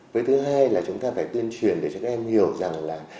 với thứ hai là chúng ta phải tuyên truyền để cho các em hiểu rằng là